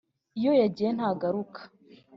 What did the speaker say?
iyo yagiye ntagaruka